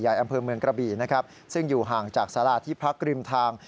อำเภอเมืองกระบี่นะครับซึ่งอยู่ห่างจากสาราที่พักริมทาง